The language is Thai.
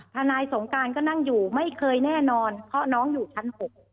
ทนายสงการก็นั่งอยู่ไม่เคยแน่นอนเพราะน้องอยู่ชั้น๖